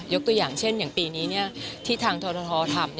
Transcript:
ยกตัวอย่างเช่นปีนี้ที่ทางทธธรรม